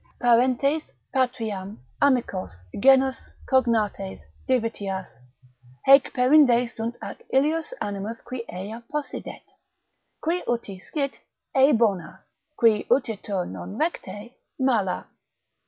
Parentes, patriam, amicos, genus, cognates, divitias, Haec perinde sunt ac illius animus qui ea possidet; Qui uti scit, ei bona; qui utitur non recte, mala.